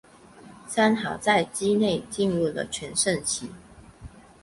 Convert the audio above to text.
三好在畿内进入了全盛期。